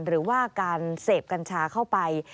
หรือว่าการเสพกัญชาเข้าไป